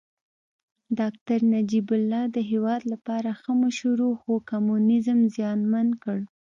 داکتر نجيب الله د هېواد لپاره ښه مشر و خو کمونيزم زیانمن کړ